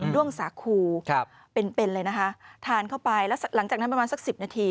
ด้วงสาคูเป็นเป็นเลยนะคะทานเข้าไปแล้วหลังจากนั้นประมาณสัก๑๐นาที